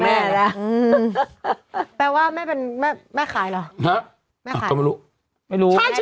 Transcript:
แม่น่ะเอ่อแปลว่าแม่เป็นแม่แม่คลายเหรอหักไม่ค่อยรู้ไม่รู้ใช่